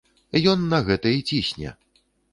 Ён на гэта і цісне.